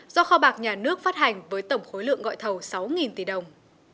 do kho bạc nhà nước phát hành với tổng khối lượng gọi thầu sáu tỷ đồng